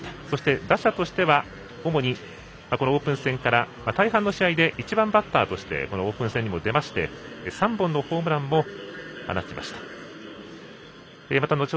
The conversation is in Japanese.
そして、打者としては主に、このオープン戦から大半の試合で１番バッターとしてオープン戦にも出まして３本のホームランを放ちました。